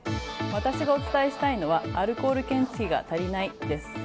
私がお伝えしたいのはアルコール検知器が足りないです。